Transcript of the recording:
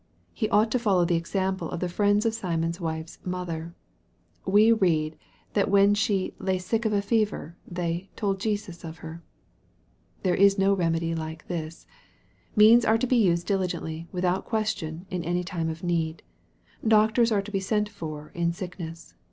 He ought to follow the example of the friends of Simon's wife's mother. We read that when she "lay sick of a fever," they " told Jesus of her." There is no remedy like this. Means are to he used diligently, without question, in any time of need. Doctors are to be sent for, in sickness.